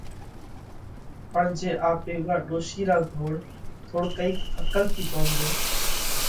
پڻ جي آپي اُوئا ڏوشِي را گھوڙ، ٿوڙڪئِيڪ عقل ٿِي ڪوم ليون